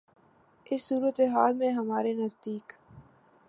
اس صورتِ حال میں ہمارے نزدیک